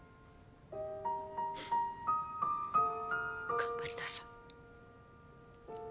頑張りなさい。